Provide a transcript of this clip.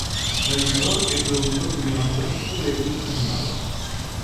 Realizador e produtor cinematográfico de debuxos animados.